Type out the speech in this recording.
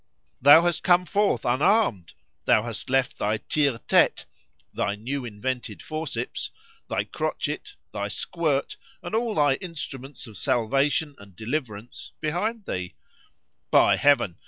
Thou hast come forth unarm'd;—thou hast left thy tire téte,—thy new invented forceps,—thy crotchet,—thy squirt, and all thy instruments of salvation and deliverance, behind thee,—By Heaven!